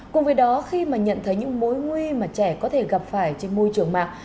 cùng với đó khi mà nhận thấy những mối nguy mà trẻ có thể gặp phải trên môi trường mạng